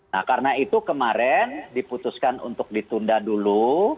nah karena itu kemarin diputuskan untuk ditunda dulu